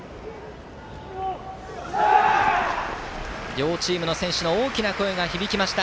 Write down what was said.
両チームの選手の大きな声が響きました。